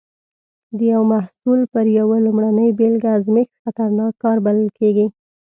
د یو محصول پر یوه لومړنۍ بېلګه ازمېښت خطرناک کار بلل کېږي.